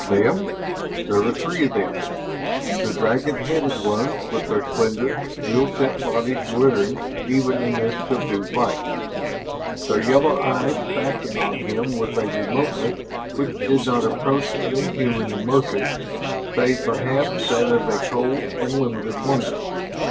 Them there were three of them the dragon headed ones with their slender, jewel set bodies glittering even in this subdued light, their yellow eyes fastened on him with a remoteness which did not approach any human emotion, save perhaps that of a cold and limited wonder.